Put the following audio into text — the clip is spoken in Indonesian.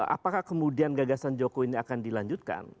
apakah kemudian gagasan jokowi ini akan dilanjutkan